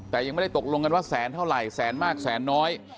แต่ยังไม่ได้ตกลงกันว่าแสนเท่าไหร่แสนมากแสนน้อย